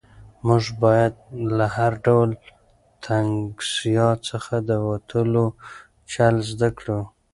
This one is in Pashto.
موږ باید له هر ډول تنګسیا څخه د وتلو چل زده کړو.